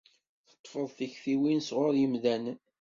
Teṭṭfeḍ tikciwin sɣur yimdanen.